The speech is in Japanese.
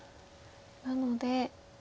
なので。